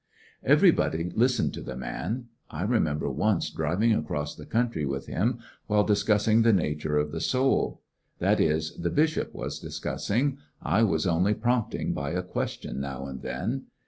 Everybody listened to the man. I remember An interested once driving across the country with him while discussing the nature of the soul. That is, the bishop was discussing. I was only prompting by a question now and then.